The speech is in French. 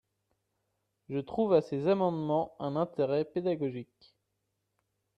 Je trouve à ces amendements un intérêt pédagogique.